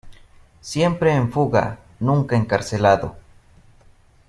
Siempre en fuga, nunca encarcelado.